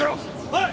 はい！